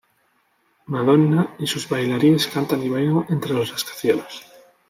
Madonna y sus bailarines cantan y bailan entre los rascacielos.